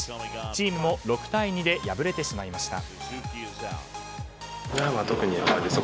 チームも６対２で敗れてしまいました。